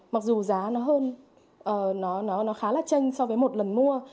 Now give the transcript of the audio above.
mặc dù giá nó hơn nó khá là tranh so với một lần mua